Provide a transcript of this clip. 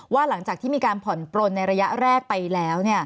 หลังจากที่มีการผ่อนปลนในระยะแรกไปแล้ว